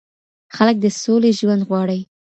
خلګ د سولې ژوند غواړي